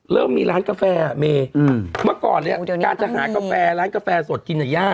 เริ่มมีร้านกาแฟอ่ะเมย์เมื่อก่อนเนี่ยการจะหากาแฟร้านกาแฟสดกินน่ะยาก